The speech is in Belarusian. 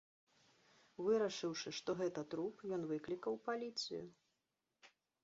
Вырашыўшы, што гэта труп, ён выклікаў паліцыю.